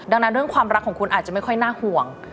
ดังนั้นเรื่องความรักของคุณอาจจะไม่ค่อยน่าห่วง